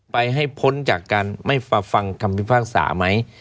ให้พ้นจากการไม่ฟังคำพิพากษาไหม